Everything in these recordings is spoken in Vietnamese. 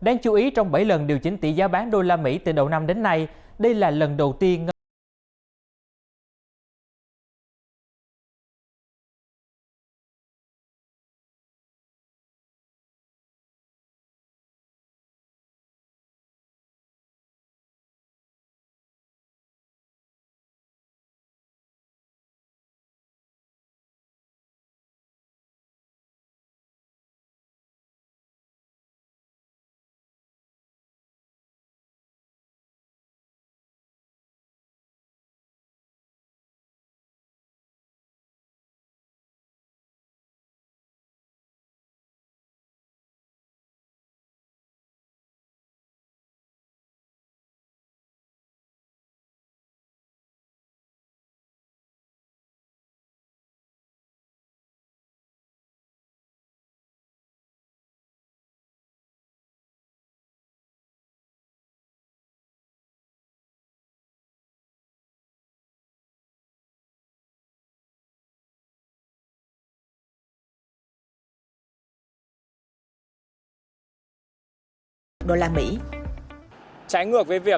đang chú ý trong bảy lần điều chỉnh tỷ giá bán đô la mỹ từ đầu năm đến nay đây là lần đầu tiên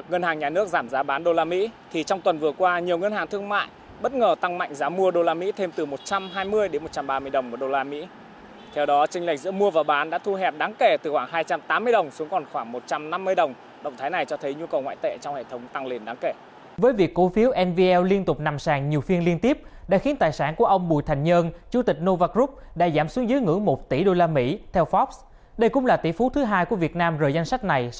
ngân hàng nhà nước vừa điều chỉnh tỷ giá bán đô la mỹ từ đầu năm đến nay